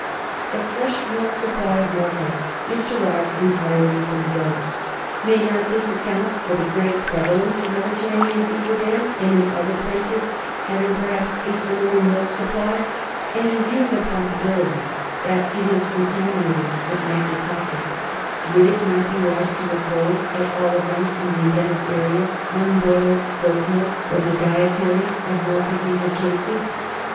The fresh milk supply of Malta is derived entirely from goats. May not this account for the great prevalence of Mediterranean Fever there and in other places having perhaps a similar milk supply ; and, in view of the possibility that it is contaminated with the micro coccus, would it not be wise to withhold, at all events in the endemic area, unboiled goat milk from the dietary of Malta Fever cases